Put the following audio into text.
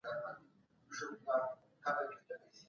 ژباړه او ترجمه زده کړئ، د اصلي مفهوم ساتنه وکړئ.